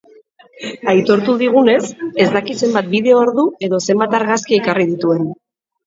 Aitortu digunez ez daki zenbat bideo ordu edo zenbat argazki ekarri dituen.